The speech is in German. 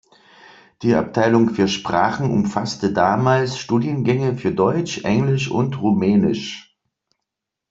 Die Abteilung für Sprachen umfasste damals Studiengänge für Deutsch, Englisch und Rumänisch.